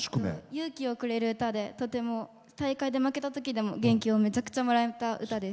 勇気をくれる歌で大会で負けたときでも元気をめちゃくちゃもらった歌です。